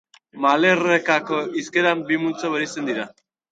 Malerrekako hizkeran bi multzo bereizten dira.